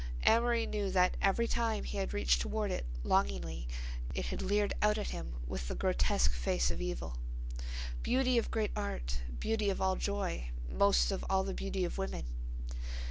Amory knew that every time he had reached toward it longingly it had leered out at him with the grotesque face of evil. Beauty of great art, beauty of all joy, most of all the beauty of women.